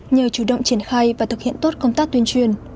nhờ chủ động triển khai và thực hiện tốt công tác tuyên truyền